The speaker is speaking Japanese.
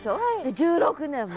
１６年も。